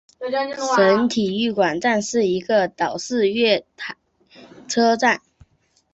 省体育馆站是一个岛式月台车站。